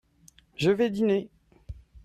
Je vais dîner.